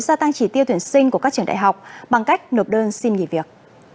gia tăng chỉ tiêu tuyển sinh của các trường đại học bằng cách nộp đơn xin nghỉ việc